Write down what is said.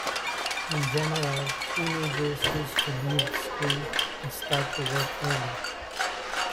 In general, teenagers used to leave school and start to work early.